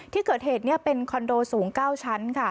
ที่เกิดเหตุเป็นคอนโดสูง๙ชั้น